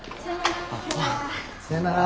さよなら。